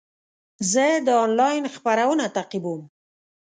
زه د انلاین خپرونه تعقیبوم.